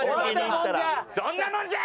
どんなもんじゃ。